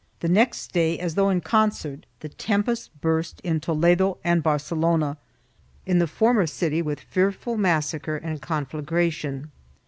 The next day, as though in concert, the tempest burst in Toledo and Barcelona — in the former city with fearful massacre and conflagration.